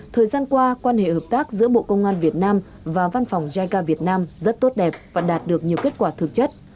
thời gian qua quan hệ hợp tác giữa bộ công an việt nam và văn phòng jica việt nam rất tốt đẹp và đạt được nhiều kết quả thực chất